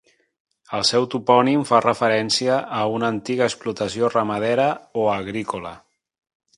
El seu topònim fa referència a una antiga explotació ramadera o agrícola.